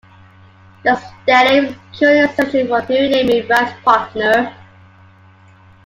The stadium is currently searching for a new naming rights partner.